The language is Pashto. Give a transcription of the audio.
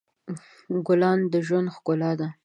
ګلان د ژوند ښکلا ده.